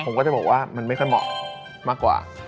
ผมก็จะบอกว่ามันไม่ค่อยเหมาะมากกว่า